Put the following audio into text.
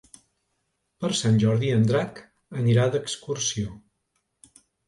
Per Sant Jordi en Drac anirà d'excursió.